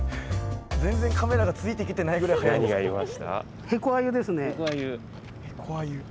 全然カメラがついて行けてないぐらい速いです。